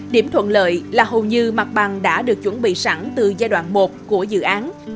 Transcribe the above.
điểm thuận lợi là hầu như mặt bằng đã được chuẩn bị sẵn từ giai đoạn một của dự án